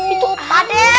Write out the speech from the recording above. itu apa de